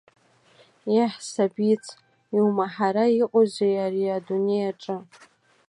Еҳ, сабиц, иумаҳара иҟоузеи ари адунеи аҿы.